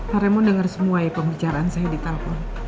pak remon denger semua ya pembicaraan saya di telepon